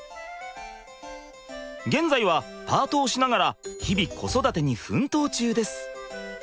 現在はパートをしながら日々子育てに奮闘中です。